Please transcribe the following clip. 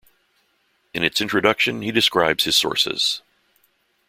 In its introduction he describes his sources.